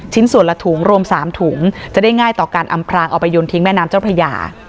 ส่วนละถุงรวม๓ถุงจะได้ง่ายต่อการอำพรางเอาไปยนทิ้งแม่น้ำเจ้าพระยา